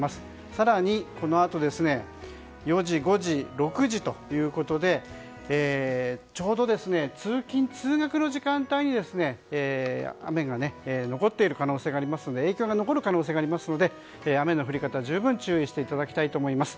更に、このあと４時、５時６時ということでちょうど通勤・通学の時間帯に雨の影響が残る可能性がありますので雨が降り方に十分注意していただきたいと思います。